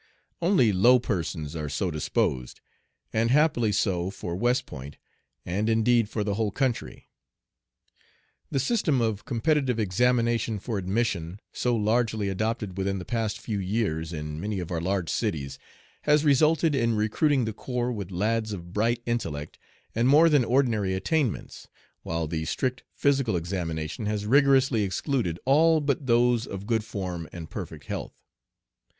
Only low persons are so disposed, and happily so for West Point, and indeed for the whole country. "The system of competitive examination for admission, so largely adopted within the past few years in many of our large cities, has resulted in recruiting the corps with lads of bright intellect and more than ordinary attainments, while the strict physical examination has rigorously excluded all but those of good form and perfect health.